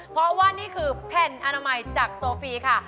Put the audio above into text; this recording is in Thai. เพราะว่านี่คือแผ่นอนามัยจากโซฟีค่ะ